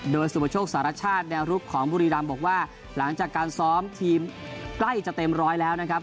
โดยสุปโชคสารชาติแนวรุกของบุรีรำบอกว่าหลังจากการซ้อมทีมใกล้จะเต็มร้อยแล้วนะครับ